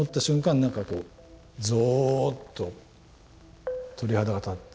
何かこうぞっと鳥肌が立って。